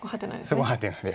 そこハテナで。